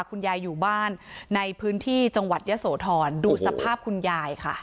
คุณยายอยู่บ้านในพื้นที่จังหวัดยะโสธรดูสภาพคุณยายค่ะ